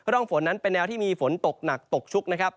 ร่องฝนนั้นเป็นแนวที่มีฝนตกหนักตกชุกนะครับ